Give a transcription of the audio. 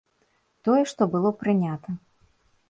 Тое, што было прынята.